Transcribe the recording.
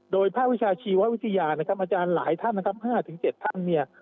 โดยภาควิชาชีววิทยานะครับอาจารย์หลายท่านนะครับ๕๗ท่านเนี่ย